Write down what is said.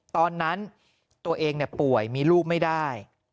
ตอนนั้นตัวเองป่วยมีลูกไม่ได้